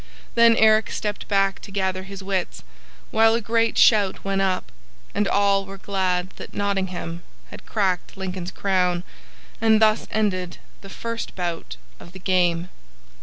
Then Eric stepped back to gather his wits, while a great shout went up and all were glad that Nottingham had cracked Lincoln's crown; and thus ended the first bout of the game.